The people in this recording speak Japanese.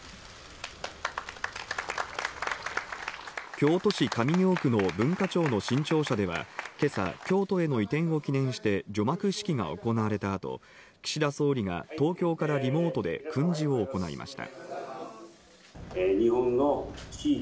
京都市上京区の文化庁の新庁舎では今朝、京都への移転を記念して、除幕式が行われた後、岸田総理が東京からリモートで訓示を行いました。